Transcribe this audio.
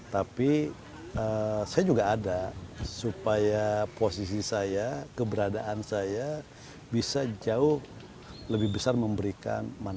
tapi saya juga ada supaya posisi saya keberadaan saya bisa jauh lebih besar memberikan manfaat